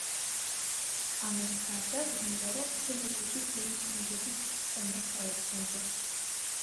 ამას გარდა, „გვინდა, რომ ჰოლივუდი რეიტინგების სისტემას დაუბრუნდეს.